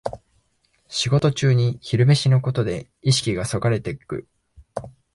仕事中に昼飯のことで意識がそれていく